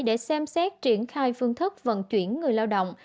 để xem xét triển khai phương thức vận chuyển người lao động